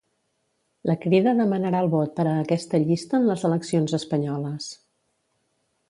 La Crida demanarà el vot per a aquesta llista en les eleccions espanyoles.